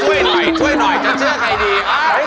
ช่วยหน่อยช่วยหน่อยจะเชื่อใครดี